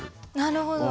なるほど。